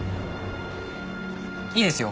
いいですよ。